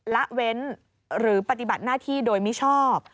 ละเว้นหรือปฏิบัติหน้าที่โดยมิชอบ